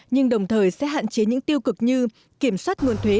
nhưng đồng thời sẽ hạn chế những tiêu cực như kiểm soát nguồn thuế